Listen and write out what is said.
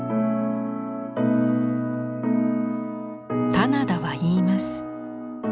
棚田は言います。